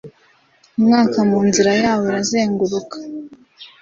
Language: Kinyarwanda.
Umwaka mu nzira yawoirazenguruka